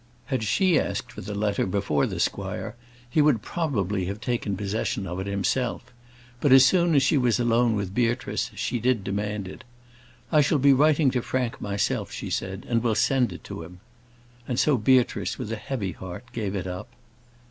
Had she asked for the letter before the squire, he would probably have taken possession of it himself; but as soon as she was alone with Beatrice, she did demand it. "I shall be writing to Frank myself," she said, "and will send it to him." And so, Beatrice, with a heavy heart, gave it up.